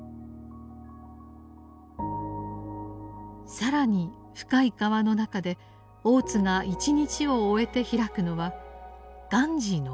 更に「深い河」の中で大津が一日を終えて開くのはガンジーの本でした。